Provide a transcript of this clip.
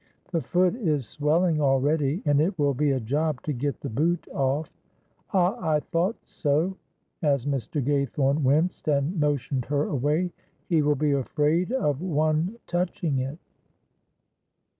The foot is swelling already, and it will be a job to get the boot off. Ah, I thought so" as Mr. Gaythorne winced and motioned her away "he will be afraid of one touching it!"